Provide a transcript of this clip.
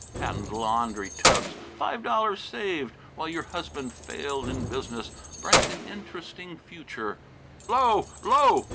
Patent laundry tubs; five dollars saved; why your husband failed in business; bright and interesting future "'Lo! 'Lo!"